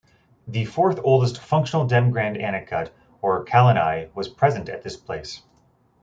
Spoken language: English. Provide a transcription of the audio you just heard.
The fourth oldest functional damGrand Anicut or Kallanai was present at this place.